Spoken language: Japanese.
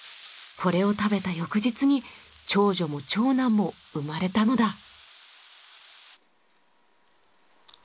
これを食べた翌日に長女も長男も生まれたのだ。